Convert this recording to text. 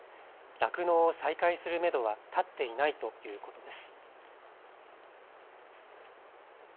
酪農を再開するめどは立っていないということです。